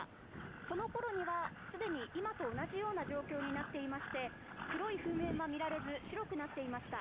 その頃にはすでに今と同じような状況になっていまして黒い噴煙は見られず白くなっていました。